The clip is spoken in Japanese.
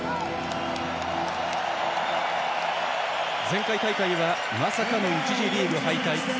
前回大会はまさかの１次リーグ敗退。